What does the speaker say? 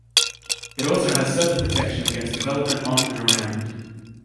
It also has certain protection against development on and around it.